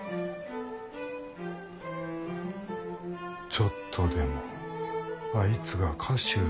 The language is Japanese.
ちょっとでもあいつが菓子ゅう